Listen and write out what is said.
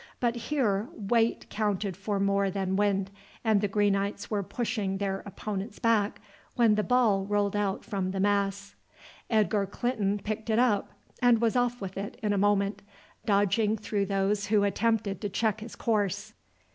But here weight counted for more than wind, and the Greenites were pushing their opponents back when the ball rolled out from the mass. Edgar Clinton picked it up, and was off with it in a moment, dodging through those who attempted to check his course.